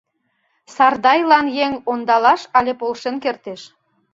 Сардайлан еҥ ондалаш але полшен кертеш.